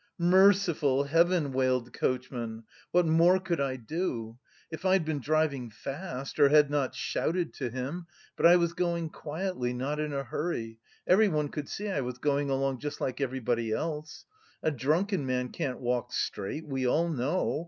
"Merciful heaven!" wailed the coachman, "what more could I do? If I'd been driving fast or had not shouted to him, but I was going quietly, not in a hurry. Everyone could see I was going along just like everybody else. A drunken man can't walk straight, we all know....